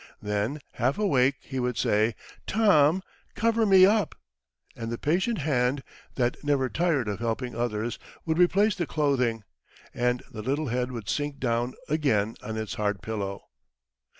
Then, half awake, he would say, "Tom, cover me up"; and the patient hand, that never tired of helping others, would replace the clothing, and the little head would sink down again on its hard pillow.